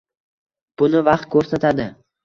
Buni vaqt ko‘rsatadi.